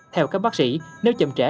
theo các bác sĩ nếu chậm trễ